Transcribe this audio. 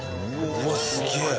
うわすげえ！